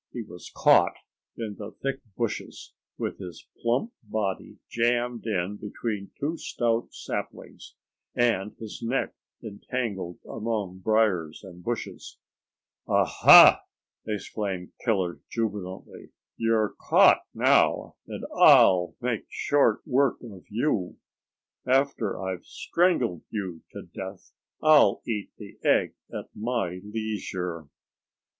He was caught in the thick bushes, with his plump body jammed in between two stout saplings and his neck entangled among briers and bushes. "Ah! Ha!" exclaimed Killer jubilantly. "You're caught now, and I'll make short work of you. After I've strangled you to death, I'll eat the egg at my leisure."